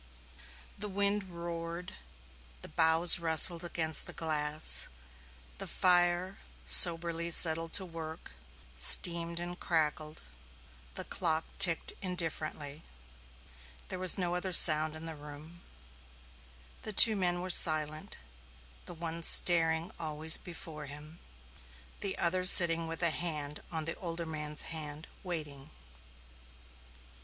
The wind roared; the boughs rustled against the glass; the fire, soberly settled to work, steamed and crackled; the clock ticked indifferently; there was no other sound in the room; the two men were silent, the one staring always before him, the other sitting with a hand on the older man's hand, waiting.